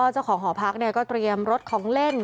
เจ้าของหอพักก็เตรียมรถของเล่น